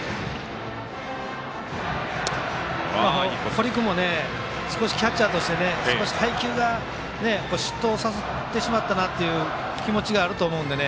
堀君もキャッチャーとして少し配球が失投させてしまったなという気持ちがあると思うんでね。